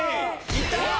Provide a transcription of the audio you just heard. いった！